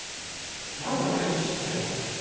なんで俺んち知ってんの？